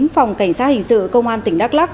phòng cảnh sát hình sự công an tỉnh đắk lắc